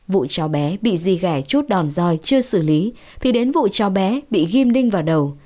vụ cháu bé bị di gẻ chút đòn roi chưa xử lý thì đến vụ cháu bé bị ghim đinh vào đầu